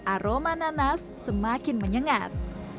aroma nanas semakin menyengat